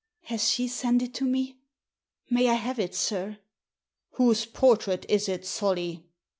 * Has she sent it to me? May I have it, sir? *'* Whose portrait is it, Solly?"